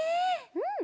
うん！